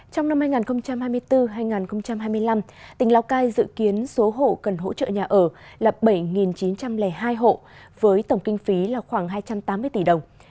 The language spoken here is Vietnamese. trong năm hai nghìn hai mươi bốn hai nghìn hai mươi năm tỉnh lào cai dự kiến số hộ cần hỗ trợ nhà ở là bảy chín trăm linh hai hộ với tổng kinh phí là khoảng hai trăm tám mươi tỷ đồng